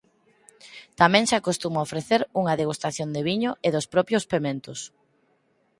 Tamén se acostuma ofrecer unha degustación de viño e dos propios pementos.